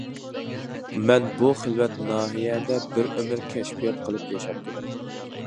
-مەن بۇ خىلۋەت ناھىيەدە بىر ئۆمۈر كەشپىيات قىلىپ ياشاپتىمەن.